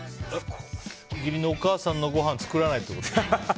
義理のお母さんのごはん作らないってこと？